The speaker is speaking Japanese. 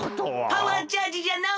パワーチャージじゃのう！